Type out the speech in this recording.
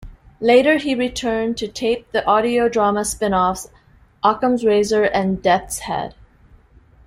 Later he returned to tape the audio drama spin-offs "Occam's Razor" and "Death's Head".